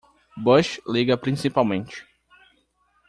Bush liga principalmente.